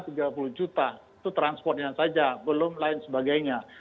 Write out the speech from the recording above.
itu transportnya saja belum lain sebagainya